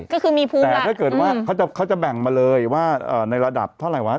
ก็คือมีภูมิแต่ถ้าเกิดว่าเขาจะแบ่งมาเลยว่าในระดับเท่าไหร่วะ